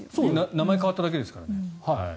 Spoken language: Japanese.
名前変わっただけですからね。